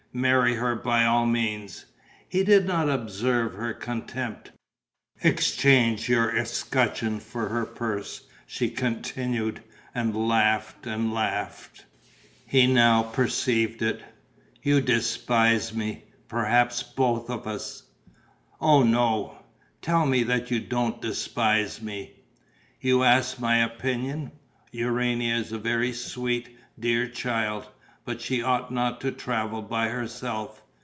"Marry her by all means!" He did not observe her contempt. "Exchange your escutcheon for her purse," she continued and laughed and laughed. He now perceived it: "You despise me, perhaps both of us." "Oh, no!" "Tell me that you don't despise me." "You ask me my opinion. Urania is a very sweet, dear child, but she ought not to travel by herself.